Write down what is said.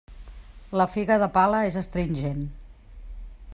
La figa de pala és astringent.